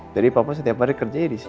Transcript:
jadi papa setiap hari kerjanya disini